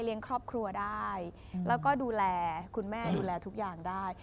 ครอบครัวได้แล้วก็ดูแลคุณแม่ดูแลทุกอย่างได้